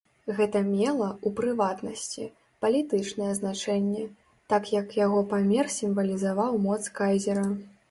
Гэта мела, у прыватнасці, палітычнае значэнне, так як яго памер сімвалізаваў моц кайзера.